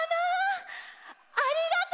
ありがとう！